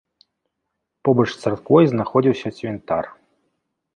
Побач з царквой знаходзіўся цвінтар.